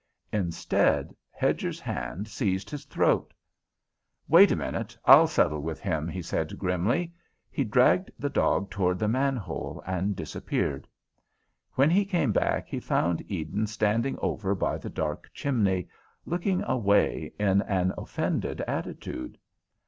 Instead, Hedger's hand seized his throat. "Wait a minute. I'll settle with him," he said grimly. He dragged the dog toward the manhole and disappeared. When he came back, he found Eden standing over by the dark chimney, looking away in an offended attitude.